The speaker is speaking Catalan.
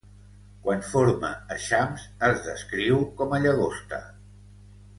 Quan forma eixams, es descriu com a llagosta.